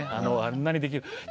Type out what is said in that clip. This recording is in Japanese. あんなにできる。